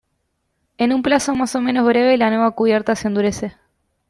En un plazo más o menos breve la nueva cubierta se endurece.